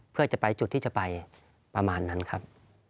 เพื่อจะไปจุดที่จะไปประมาณนั้นครับ